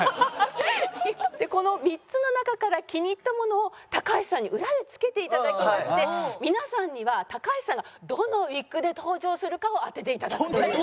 この３つの中から気に入ったものを橋さんに裏で着けて頂きまして皆さんには橋さんがどのウィッグで登場するかを当てて頂くという。